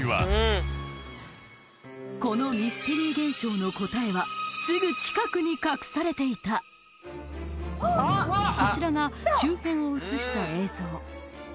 このミステリー現象の答えはすぐ近くに隠されていたこちらが周辺を写した映像